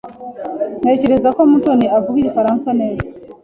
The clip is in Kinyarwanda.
Ntekereza ko Mutoni avuga Igifaransa neza.